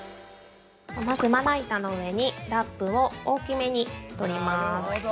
◆まず、まな板の上にラップを大きめに取ります。